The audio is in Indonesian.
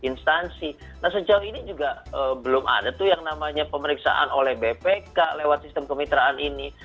nah sejauh ini juga belum ada tuh yang namanya pemeriksaan oleh bpk lewat sistem kemitraan ini